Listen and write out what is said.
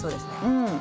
うん。